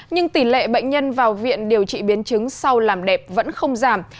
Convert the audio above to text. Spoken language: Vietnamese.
nhưng tỷ lệ bệnh nhân vào viện điều trị biến chứng sau làm đẹp vẫn không giảm